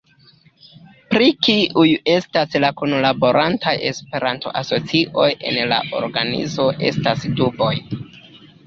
Pri kiuj estas la kunlaborantaj Esperanto-asocioj en la organizo estas duboj.